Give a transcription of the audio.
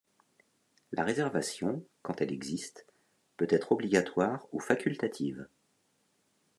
La réservation, quand elle existe, peut être obligatoire ou facultative.